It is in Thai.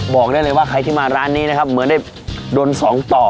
บอกได้เลยว่าใครที่มาร้านนี้นะครับเหมือนได้โดนสองต่อ